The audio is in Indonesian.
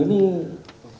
kan ketua dpr